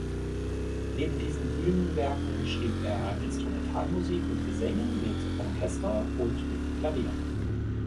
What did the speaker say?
Neben diesen Bühnenwerken schrieb er Instrumentalmusik und Gesänge mit Orchester und mit Klavier.